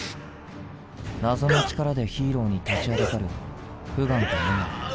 謎の力でヒーローに立ちはだかるフガンとムガン。